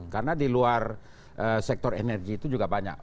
karena di luar sektor energi itu juga banyak